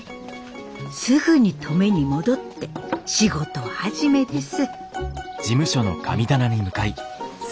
すぐに登米に戻って仕事始めです。